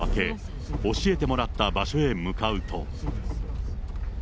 一夜明け、教えてもらった場所へ向かうと。